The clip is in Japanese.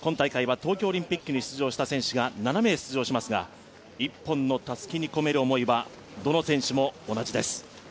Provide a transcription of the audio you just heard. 今大会は東京オリンピックに出場した選手が７名出場しますが１本のたすきに込める思いは、どの選手も同じです。